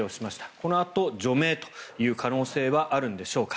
このあと除名という可能性はあるんでしょうか。